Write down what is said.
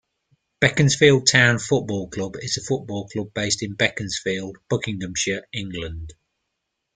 Beaconsfield Town Football Club is a football club based in Beaconsfield, Buckinghamshire, England.